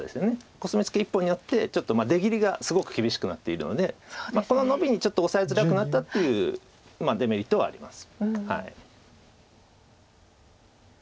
コスミツケ１本やってちょっと出切りがすごく厳しくなっているのでこのノビにちょっとオサえづらくなったっていうデメリットはあります。